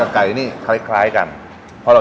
มีกลิ่มพิเศษของเขา